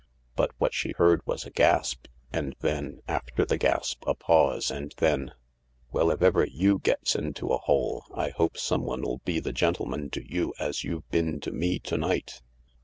But what she heard was a gasp, and then, after the gasp a pause, and then :" Well, if ever you gets into a hole, Ihopes someone'll be the gentleman to you as you've been to me to night."